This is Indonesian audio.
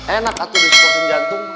enak atuh disportin jantung